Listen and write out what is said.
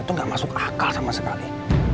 itu nggak masuk akal sama sekali